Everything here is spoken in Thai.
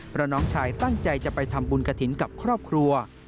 เพราะน้องชายตั้งใจจะไปทำบุญกระถิ่นกับครอบครัว